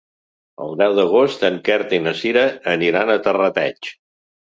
El deu d'agost en Quer i na Sira aniran a Terrateig.